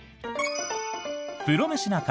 「プロメシな会」